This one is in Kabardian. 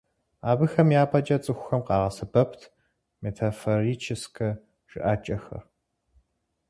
Абыхэм я пӏэкӏэ цӏыхухэм къагъэсэбэпт метафорическэ жыӏэкӏэхэр.